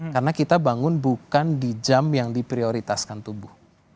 karena kita bangun bukan di jam yang diprioritaskan tubuh